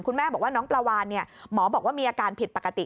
คุณแม่บอกว่าน้องปลาวานหมอบอกว่ามีอาการผิดปกติ